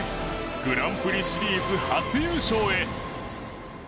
グランプリシリーズ初優勝へ。